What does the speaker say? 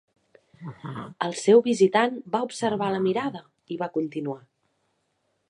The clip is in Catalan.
El seu visitant va observar la mirada i va continuar.